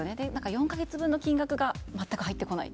４か月分の金額が全く入ってこない。